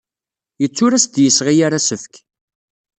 Yettu ur as-d-yesɣi ara asefk.